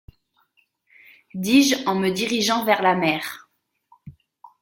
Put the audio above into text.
dis-je en me dirigeant vers la mer.